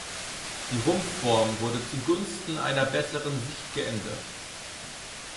Die Rumpfform wurde zugunsten einer besseren Sicht geändert.